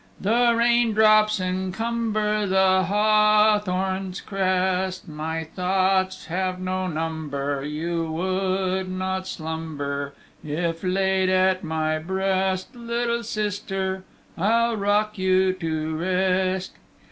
The rain drops encumber The hawthorn's crest: My thoughts have no number: You would not slumber If laid at my breast, Little sister, I'll rock you to rest.